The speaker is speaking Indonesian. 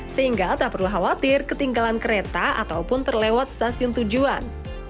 sehingga tak perlu khawatir ketinggalan kereta ataupun terlewat stasiun tujuan